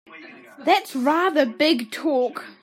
That's rather big talk!